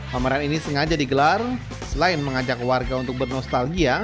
pameran ini sengaja digelar selain mengajak warga untuk bernostalgia